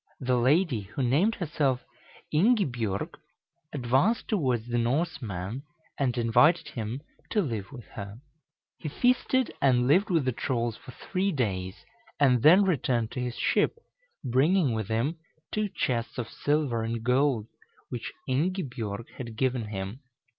The lady, who named herself Ingibjorg, advanced towards the Norseman, and invited him to live with her. He feasted and lived with the trolls for three days, and then returned to his ship, bringing with him two chests of silver and gold, which Ingibjorg had given him.